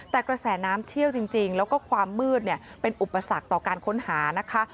แต่กระแสน้ำเชี่ยวจริงแล้วก็ความมืดเป็นอุปสรรคต่อการค้นหานะคะ